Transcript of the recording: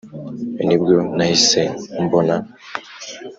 nibwo nahise mbona,